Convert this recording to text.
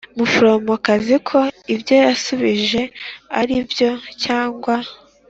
Muforomokazi ko ibyo yashubije ari byo cyangwa